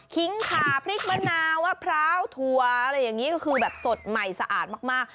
ิ้งขาพริกมะนาวมะพร้าวถั่วอะไรอย่างนี้ก็คือแบบสดใหม่สะอาดมาก